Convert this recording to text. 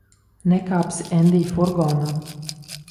Nekāpsi Endija furgonā.